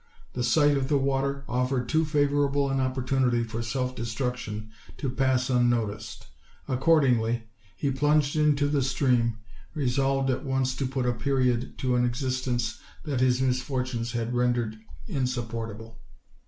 The sight of the water offered too favorable an opportunity for self de struction to pass unnoticed: accordingly, he plunged into the stream, resolved at once to put a period to an exist ence that his misfortunes had rendered insupportable.